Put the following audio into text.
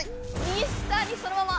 右下にそのまま。